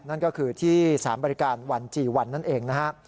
นั่นก็คือที่สารบริการวันจีวันนั่นเองนะฮะ